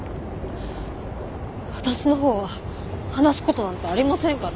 私の方は話すことなんてありませんから。